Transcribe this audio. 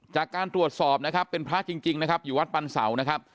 จากการตรวจสอบนะครับเป็นพระจริงนะครับอยู่วัดปันเสานะครับ